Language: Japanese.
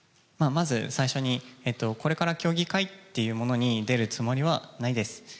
まず最初に、これから競技会っていうものに出るつもりはないです。